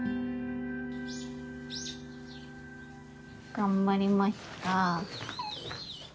頑張りました。